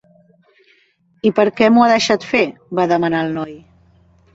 "I per què m'ho ha deixat fer?", va demanar el noi.